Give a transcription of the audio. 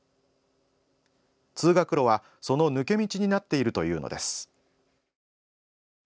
通学路は、その抜け道になっているというのです。